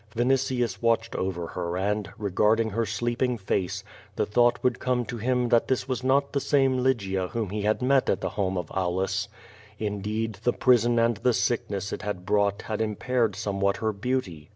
Vinitius watched over her, and, regarding her sleeping face, the thought would come to him that this was not the same Lygia whom he had met at the home of Aulus. Indeed, the prison and the sick ness it had brought had impaired somewhat her beauty.